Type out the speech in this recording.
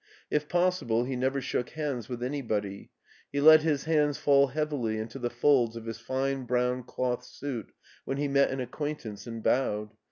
If possible he never shook hands with any body; he let his hands fall heavily into the folds of his fine brown cloth suit when he met an acquaintance and bowed.